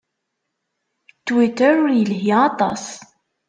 Twitter ur yelhi aṭas.